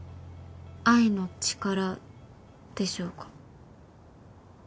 愛の力でしょうか？